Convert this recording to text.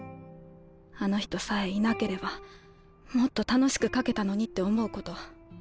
あの人さえいなければもっと楽しく描けたのにって思うこと。